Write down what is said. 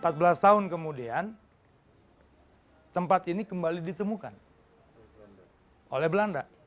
empat belas tahun kemudian tempat ini kembali ditemukan oleh belanda